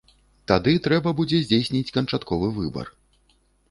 Тады трэба будзе здзейсніць канчатковы выбар.